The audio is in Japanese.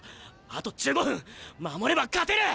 あと１５分守れば勝てる！